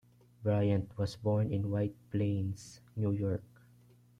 Bryant was born in White Plains, New York.